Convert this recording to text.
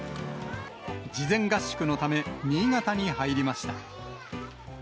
事前合宿のため、新潟に入りました。